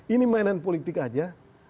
ini mainan politik aja